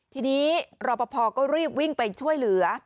ทีนี้รอปภก็รีบวิ่งไปช่วยเหลือ